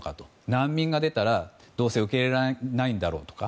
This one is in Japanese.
難民が出たらどうせ受け入れないんだろうとか。